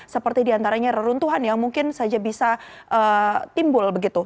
seperti diantaranya reruntuhan yang mungkin saja bisa timbul begitu